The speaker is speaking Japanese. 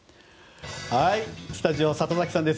スタジオ、里崎さんです。